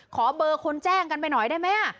ขอเบอร์คนแจ้งกันไปหน่อยได้ไหม